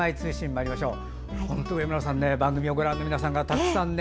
まいりましょう。